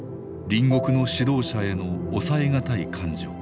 隣国の指導者への抑えがたい感情。